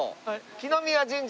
來宮神社。